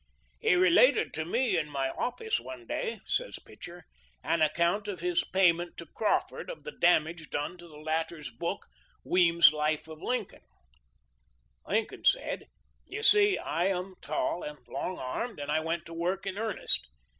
" He related to me in my office one day," says Pitcher, " an account of his payment to Crawford of the damage done to the latter's book — Weems' ' Life of Washington.' Lincoln said, " You see, I am tall and long armed, and I went to work in earnest.